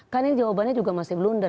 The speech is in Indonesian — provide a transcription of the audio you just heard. kan ini jawabannya juga masih blunder